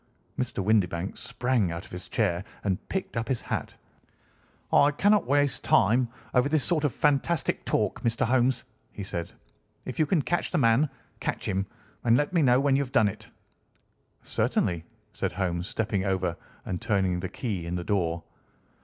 Mr. Windibank sprang out of his chair and picked up his hat. "I cannot waste time over this sort of fantastic talk, Mr. Holmes," he said. "If you can catch the man, catch him, and let me know when you have done it." "Certainly," said Holmes, stepping over and turning the key in the door.